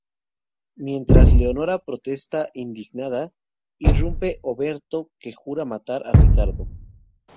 Mientras Leonora protesta indignada, irrumpe Oberto, que jura matar a Riccardo.